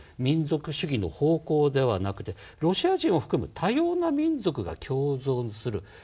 民族主義の方向ではなくてロシア人を含む多様な民族が共存する。